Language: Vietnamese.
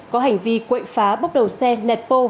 có hành vi quậy phá bốc đầu xe nẹt bô